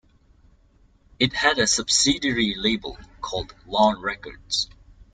It had a subsidiary label called Lawn Records.